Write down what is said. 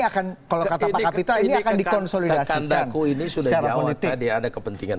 akan kalau kata pak kapital ini akan dikonsolidasi kan tak kandaku ini sudah jawab tadi ada kepentingan